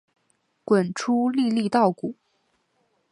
滚出粒粒稻谷